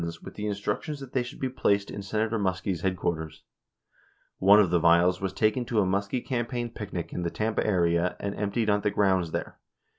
Segretti gave these vials to Bob Benz, with the instructions that they should be placed in Senator Muskie's headquarters. One of the vials was taken to a Muskie campaign picnic in the Tampa area and emptied at the grounds there